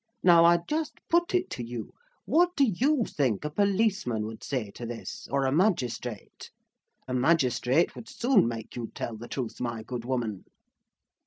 Now I just put it to you, what do you think a policeman would say to this, or a magistrate? A magistrate would soon make you tell the truth, my good woman."